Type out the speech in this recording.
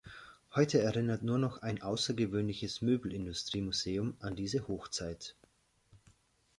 Heute erinnert nur noch ein außergewöhnliches Möbelindustrie-Museum an diese Hoch-Zeit.